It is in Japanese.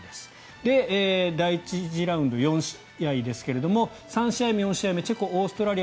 第１次ラウンド、４試合ですが３試合目、４試合目チェコ、オーストラリア。